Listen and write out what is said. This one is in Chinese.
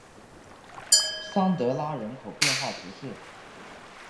桑德拉人口变化图示